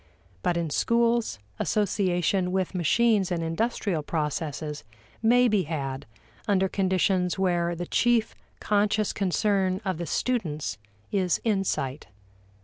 But in schools, association with machines and industrial processes may be had under conditions where the chief conscious concern of the students is insight.